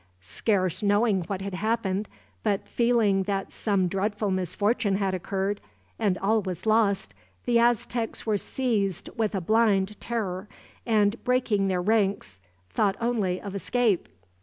Scarce knowing what had happened, but feeling that some dreadful misfortune had occurred, and all was lost, the Aztecs were seized with a blind terror; and breaking their ranks, thought only of escape.